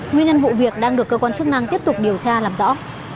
nguyên nhân vụ việc đang được cơ quan chức năng tiếp tục điều tra làm rõ